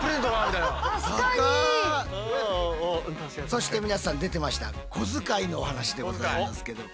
そして皆さん出てましたこづかいのお話でございますけど。